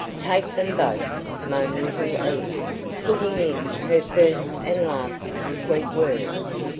"Take them both!" moaned little Eva, putting in her first and last sweet word.